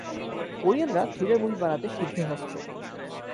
কোরিয়ানরা thriller movie বানাতে সিদ্ধহস্ত।